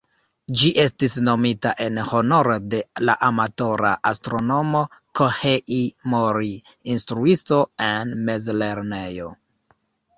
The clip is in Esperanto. Ĝi estis nomita en honoro de la amatora astronomo "Kohei Mori", instruisto en mezlernejo.